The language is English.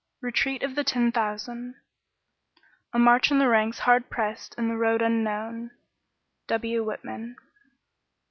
RETREAT OP THE TEN THOUSAND. " A march in the ranks hard pressed and the road unknown.' 1 W. WHITMAN.